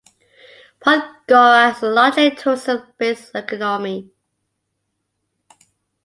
Podgora has a largely tourism-based economy.